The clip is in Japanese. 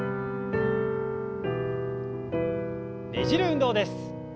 ねじる運動です。